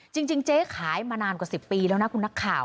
จริงเจ๊ขายมานานกว่า๑๐ปีแล้วนะคุณนักข่าว